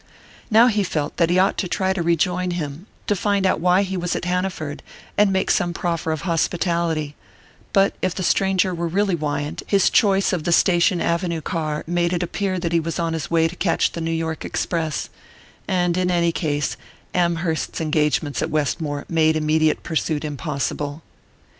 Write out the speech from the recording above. Now he felt that he ought to try to rejoin him, to find out why he was at Hanaford, and make some proffer of hospitality; but if the stranger were really Wyant, his choice of the Station Avenue car made it appear that he was on his way to catch the New York express; and in any case Amherst's engagements at Westmore made immediate pursuit impossible.